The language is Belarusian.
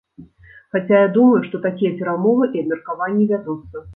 Хаця я думаю, што такія перамовы і абмеркаванні вядуцца.